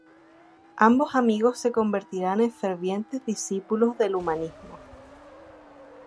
Ambos amigos se convertirán en fervientes discípulos del humanismo.